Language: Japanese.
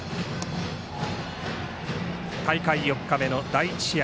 大会４日目の第１試合。